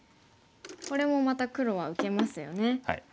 これもまた黒は受けますよね。